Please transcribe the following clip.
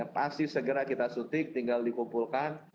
pasti segera kita sutik tinggal dikumpulkan